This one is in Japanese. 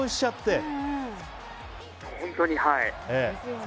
本当に、はい。